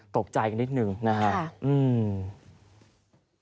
ตกใจอีกนิดหนึ่งนะครับอืมค่ะ